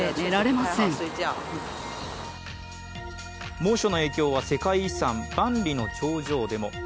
猛暑の影響は世界遺産万里の長城でも。